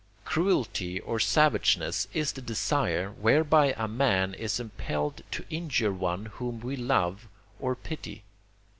Cruelty or savageness is the desire, whereby a man is impelled to injure one whom we love or pity.